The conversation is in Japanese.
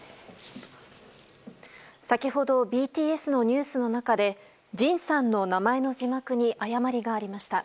先ほどＢＴＳのニュースの中でＪＩＮさんの名前の字幕に誤りがありました。